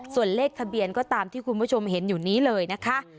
ส่วนเลขทะเบียนก็ตามที่คุณผู้ชมเห็นอยู่นี้เลยนะคะ